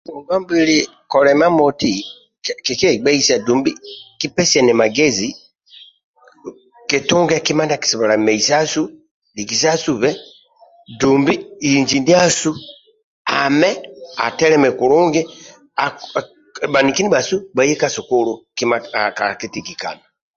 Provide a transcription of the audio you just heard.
Ngongwa mbili kolilia imamoti kikiegbeisa dhumbi kipesiane magezi kitunge kima ndia akisobola meisasu likisasube dumbi nji ndiasu ame ateleme kulungi bhaniki ndibhasu bhaye ka sukulu kima kalakitigikana